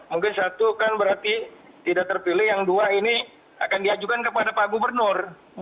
mungkin satu kan berarti tidak terpilih yang dua ini akan diajukan kepada pak gubernur